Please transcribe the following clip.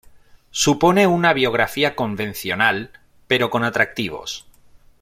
Supone una biografía convencional pero con atractivos.